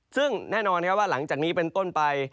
ซึ่งแน่นอนว่าหลังจากนี้เป็นต้นไป